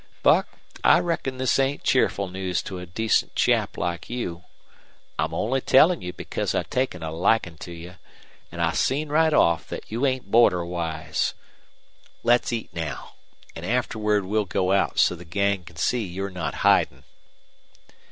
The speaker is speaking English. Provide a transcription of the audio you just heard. Buck, I reckon this ain't cheerful news to a decent chap like you. I'm only tellin' you because I've taken a likin' to you, an' I seen right off thet you ain't border wise. Let's eat now, an' afterward we'll go out so the gang can see you're not hidin'."